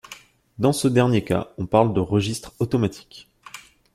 Dans ce dernier cas, on parle de registres automatiques.